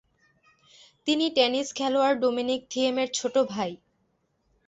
তিনি টেনিস খেলোয়াড় ডমিনিক থিয়েমের ছোট ভাই।